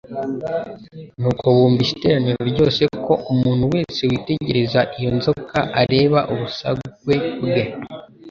Nuko bumvisha iteraniro ryose ko umuntu wese witegereza iyo nzoka, areba ubusagwe bwe.